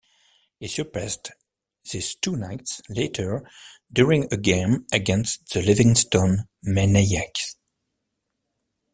He surpassed this two nights later during a game against the Lewiston Maineiacs.